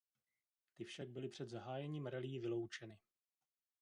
Ty však byli před zahájením rallye vyloučeny.